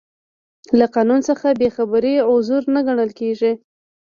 له قانون څخه بې خبري عذر نه ګڼل کیږي.